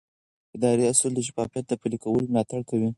اداري اصول د شفافیت د پلي کولو ملاتړ کوي.